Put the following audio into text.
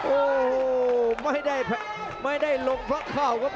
โอ้โหไม่ได้ลงพระเข่าครับ